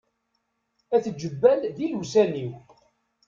At Jebbal d ilewsan-iw.